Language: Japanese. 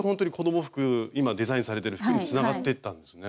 今デザインされてる服につながってったんですね。